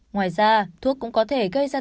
ngoài ra thuốc cũng có thể gây ra